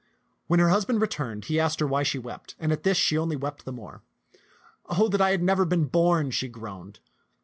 When her husband returned, he asked her why she wept ; and at this she only wept the more. Oh, that I had never been born !" she groaned.